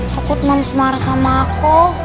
takut mams marah sama aku